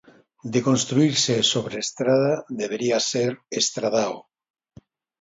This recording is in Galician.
De construírse sobre Estrada, debería ser estradao.